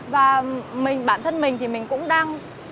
và mình bản thân mình thì mình cũng đang